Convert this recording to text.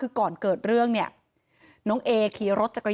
เหตุการณ์เกิดขึ้นแถวคลองแปดลำลูกกา